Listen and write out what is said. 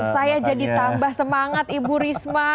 saya jadi tambah semangat ibu risma